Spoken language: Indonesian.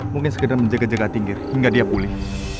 mungkin sekedar menjaga jaga tinggir hingga dia pulih